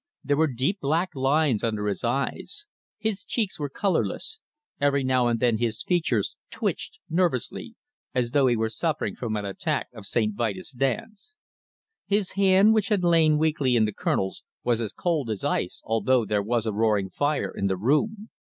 There were deep black lines under his eyes, his cheeks were colourless, every now and then his features twitched nervously, as though he were suffering from an attack of St. Vitus' dance. His hand, which had lain weakly in the Colonel's, was as cold as ice, although there was a roaring fire in the room.